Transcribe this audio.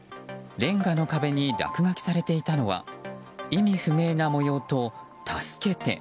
レンガの壁に落書きされていたのは意味不明な模様と「たすけて！！」